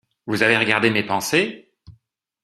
Vous avez regardé mes pensées ?